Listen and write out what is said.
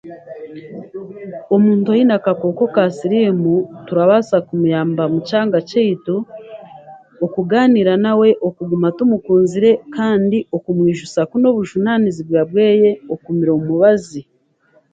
Omuntu oyine akakooko ka siriimu turabasa kumuyamba mu kyanga kyeitu okuganiira nawe, okuguma tumukunzire kandi okumwijusya kun'obujunaanizibwa bweye okumira omubazi.